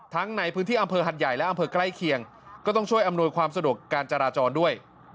ทั้งในพื้นที่อำเภอหัดใหญ่และอำเภอใกล้เคียงก็ต้องช่วยอำนวยความสะดวกการจราจรด้วย